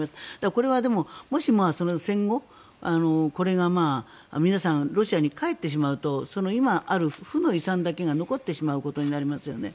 これは、もし戦後これが皆さん、ロシアに帰ってしまうと今ある負の遺産だけが残ってしまうことになりますよね。